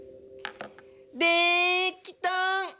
できた！